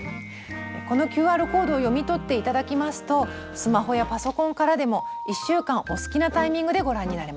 このＱＲコードを読み取って頂きますとスマホやパソコンからでも１週間お好きなタイミングでご覧になれます。